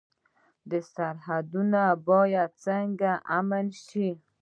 سرحدونه باید څنګه امن شي؟